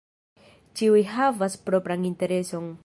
Ĉiuj havas propran intereson.